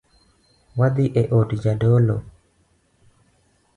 Wadhie od jadolo.